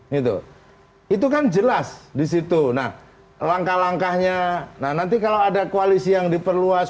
gitu itu kan jelas disitu nah langkah langkahnya nah nanti kalau ada koalisi yang diperluas